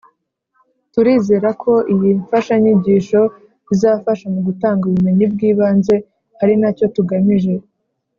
Turizera ko iyi mfashanyigisho izafasha mu gutanga ubumenyi bw’ibanze ari na cyo tugamije